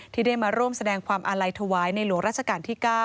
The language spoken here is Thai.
ที่ได้มาร่วมแสดงความอาลัยถวายในหลวงราชการที่๙